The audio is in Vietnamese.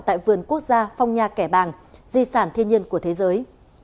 tại vườn quốc gia phong nha kẻ bàng di sản thiên nhiên của thế giới